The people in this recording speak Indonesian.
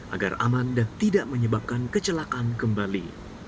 agar aman dan tidak menyebabkan kecelakaan kembali